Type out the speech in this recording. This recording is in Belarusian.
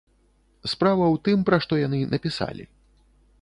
Справа ў тым, пра што яны напісалі.